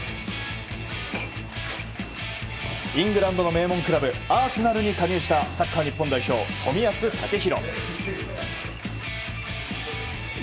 イングランドの名門クラブアーセナルに加入したサッカー日本代表、冨安健洋。